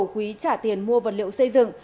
quý trả tiền mua vật liệu xây dựng